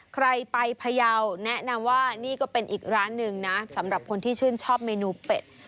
ใครไปพยาวแนะนำว่านี่ก็เป็นอีกร้านหนึ่งนะสำหรับคนที่ชื่นชอบเมนูเป็ด